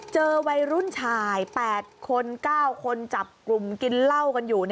เจอวัยรุ่นชาย๘คน๙คนจับกลุ่มกินเหล้ากันอยู่